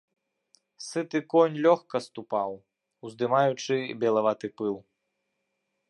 Сыты конь лёгка ступаў, уздымаючы белаваты пыл.